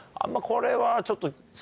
これはちょっと。